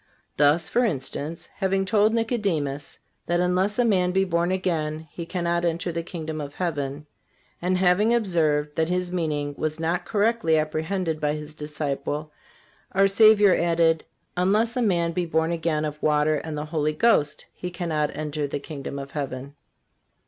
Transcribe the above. Thus, for instance, having told Nicodemus that unless a man be born again he cannot enter the kingdom of heaven, and having observed that His meaning was not correctly apprehended by this disciple our Savior added: "Unless a man be born again of water and the Holy Ghost he cannot enter the kingdom of heaven."